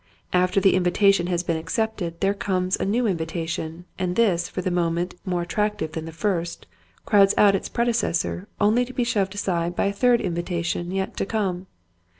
After the invitation has been accepted there comes a new invitation, and this, for the moment more attractive than the first, crowds out its predecessor only to be shoved aside by a third invitation yet to come.